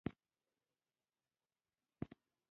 ژاوله د ځینو خوړو خوند تازه کوي.